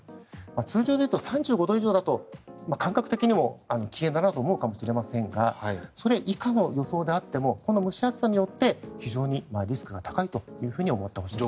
通常で言うと３５度以上だと感覚的にも危険だなと思うかもしれませんがそれ以下の予想であってもこの蒸し暑さによって非常にリスクが高いと思ってほしいです。